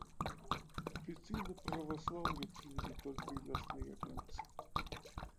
Афіцыйна праваслаўе прынялі толькі лясныя энцы.